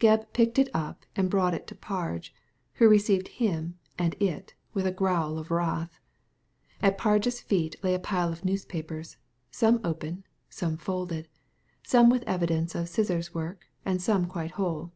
Gebb picked it up and brought it to Parge, who received him and it with a growl of wrath. At Parge's feet lay a pile of newspapers, some open, some folded, some with evidence of scissors' work and some quite whole.